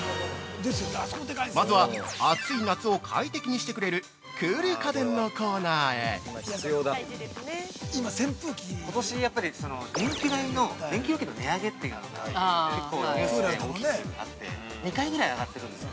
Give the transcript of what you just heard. まずは、暑い夏を快適にしてくれる「クール家電」のコーナーへ◆ことし、やっぱり電気電気料金の値上げが、結構、２回ぐらい上がっているんですよ。